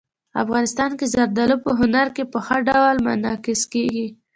افغانستان کې زردالو په هنر کې په ښه ډول منعکس کېږي.